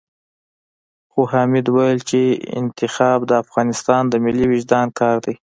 خو حامد ويل چې انتخاب د افغانستان د ملي وُجدان کار دی.